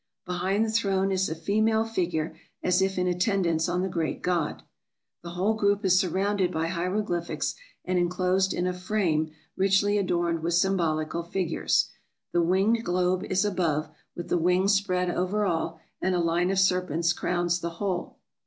Behind the throne is a female figure as if in attendance on the great god. The whole group is surrounded by hieroglyphics, and enclosed in a frame richly adorned with symbolical figures. The winged globe is above, with the wings spread over all, and a line of serpents crowns the whole.